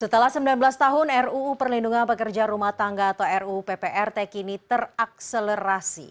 setelah sembilan belas tahun ruu perlindungan pekerja rumah tangga atau ruu pprt kini terakselerasi